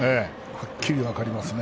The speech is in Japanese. はっきり分かりますね。